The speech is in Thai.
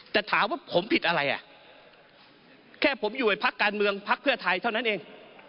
แต่ถามว่าผมผิดอะไรอ่ะแค่ผมอยู่ไอ้พักการเมืองพักเพื่อไทยเท่านั้นเอง